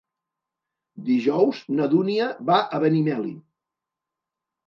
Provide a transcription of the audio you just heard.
Dijous na Dúnia va a Benimeli.